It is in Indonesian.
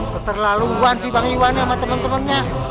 keterlaluan sih bang iwan sama temen temennya